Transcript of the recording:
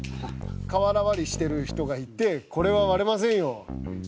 瓦割りしてる人がいて「これは割れませんよ」。